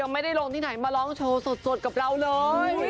ไม่ได้ลงที่ไหนมาร้องโชว์สดกับเราเลย